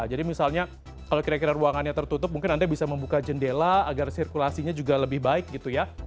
jadi misalnya kalau kira kira ruangannya tertutup mungkin anda bisa membuka jendela agar sirkulasinya juga lebih baik gitu ya